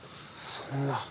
そんな。